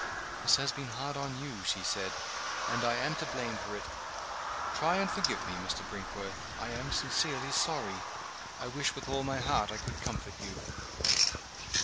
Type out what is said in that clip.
"This has been hard on you," she said. "And I am to blame for it. Try and forgive me, Mr. Brinkworth. I am sincerely sorry. I wish with all my heart I could comfort you!"